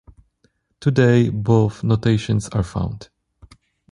Today, both notations are found.